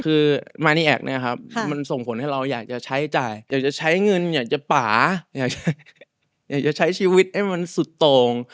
คือมานี่แอคเนี่ยครับมันส่งผลให้เราอยากจะใช้จ่ายอยากจะใช้เงินอยากจะป่าอยากจะใช้ชีวิตให้มันสุดโต่ง